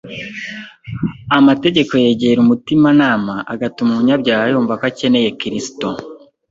amategeko yegera umutimanama, agatuma umunyabyaha yumva ko akeneye Kristo